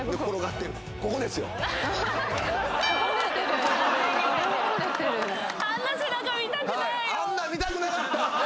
あんなん見たくなかった！